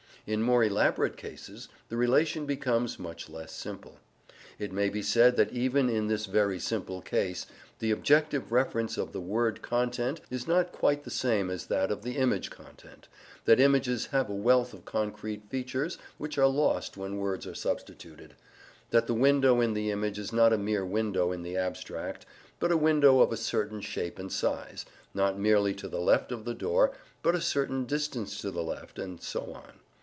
In more elaborate cases the relation becomes much less simple. It may be said that even in this very simple case the objective reference of the word content is not quite the same as that of the image content, that images have a wealth of concrete features which are lost when words are substituted, that the window in the image is not a mere window in the abstract, but a window of a certain shape and size, not merely to the left of the door, but a certain distance to the left, and so on.